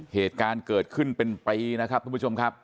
เหตุการณ์เกิดขึ้นเป็นปีนะครับทุกผู้ชมครับ